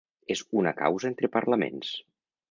És una causa entre parlaments.